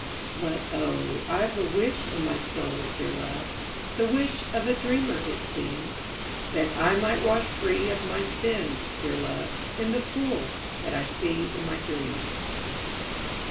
But, oh, I 've a wish in my soul, dear love, (The wish of a dreamer, it seems,) That I might wash free of my sins, dear love, In the pool that I see in my dreams.